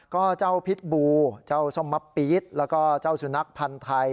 ก็เจ้าพิษบูเจ้าส้มมะปี๊ดแล้วก็เจ้าสุนัขพันธ์ไทย